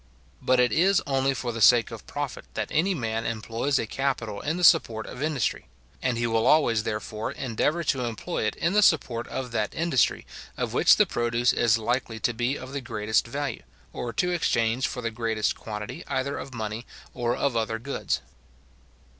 But it is only for the sake of profit that any man employs a capital in the support of industry; and he will always, therefore, endeavour to employ it in the support of that industry of which the produce is likely to be of the greatest value, or to exchange for the greatest quantity either of money or of other goods.